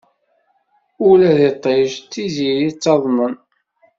Ula d iṭij d tziri ttaḍnen.